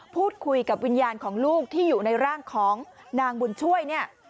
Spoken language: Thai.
พูดคุยกับวิญญาณของลูกที่อยู่ในร่างของนางบุญช่วยเนี่ย